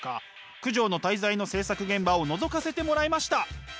「九条の大罪」の制作現場をのぞかせてもらいました！